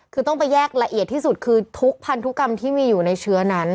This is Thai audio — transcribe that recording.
คือต้องไปแยกละเอียดที่สุดคือทุกพันธุกรรมที่มีอยู่ในเชื้อนั้น